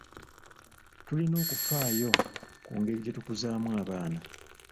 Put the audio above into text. Tulina okufaayo ku ngeri gye tukuzaamu abaana.